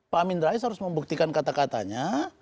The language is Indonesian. pak amin rais harus membuktikan kata katanya